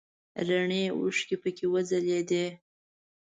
رڼې اوښکې پکې وځلیدې.